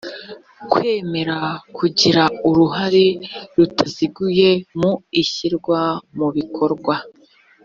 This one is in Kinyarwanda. kwemera kugira uruhare rutaziguye mu ishyirwa mubikorwa